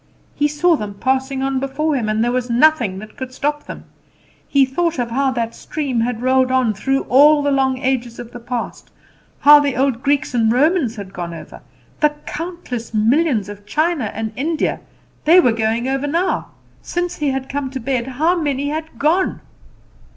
He saw them passing on before him, and there was nothing that could stop them. He thought of how that stream had rolled on through all the long ages of the past how the old Greeks and Romans had gone over; the countless millions of China and India, they were going over now. Since he had come to bed, how many had gone!